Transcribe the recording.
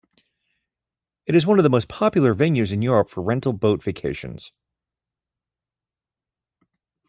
It is one of the most popular venues in Europe for rental boat vacations.